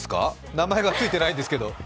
名前がついていないんですけど。